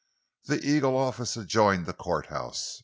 The Eagle office adjoined the courthouse.